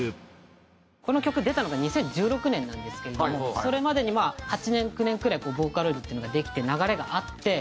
この曲出たのが２０１６年なんですけれどもそれまでにまあ８年９年くらいボーカロイドっていうのができて流れがあって。